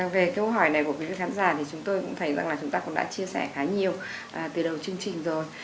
về câu hỏi này của quý vị khán giả thì chúng tôi cũng thấy rằng là chúng ta cũng đã chia sẻ khá nhiều từ đầu chương trình rồi